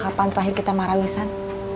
kapan terakhir kita marawisan